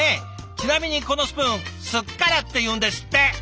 ちなみにこのスプーンスッカラっていうんですって。